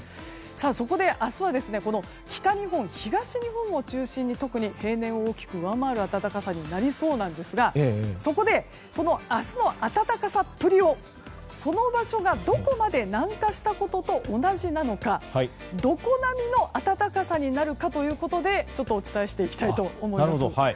そこで明日は北日本東日本を中心に特に平年を大きく上回る暖かさになりそうなんですがそこでその明日の暖かさっぷりをその場所がどこまで南下したことと同じなのかどこ並みの暖かさになるかということでお伝えしていきたいと思います。